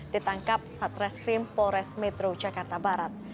ditangkap saat reskrim polres metro jakarta barat